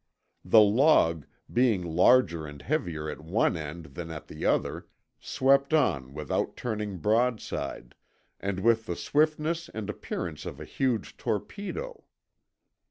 The log, being larger and heavier at one end than at the other, swept on without turning broadside, and with the swiftness and appearance of a huge torpedo.